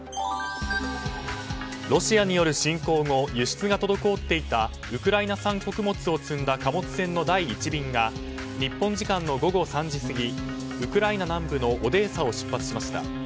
ロシアによる侵攻後輸出が滞っていたウクライナ産穀物を積んだ貨物船の第１便が日本時間の午後３時過ぎウクライナ南部のオデーサを出発しました。